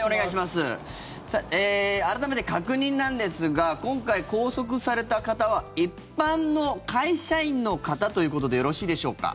改めて、確認なんですが今回拘束された方は一般の会社員の方ということでよろしいでしょうか。